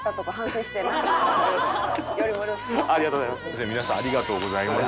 じゃあ皆さんありがとうございました。